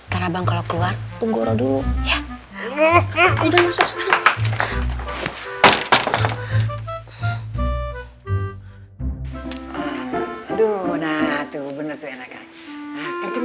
karena abang kalau keluar tunggu dulu ya udah masuk sekarang